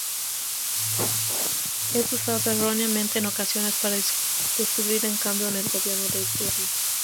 Es usado erróneamente en ocasiones para describir un cambio en el gobierno de turno.